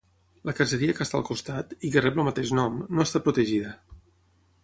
La caseria que està al costat, i que rep el mateix nom, no està protegida.